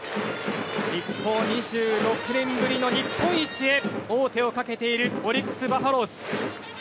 一方、２６年ぶりの日本一へ王手をかけているオリックス・バファローズ。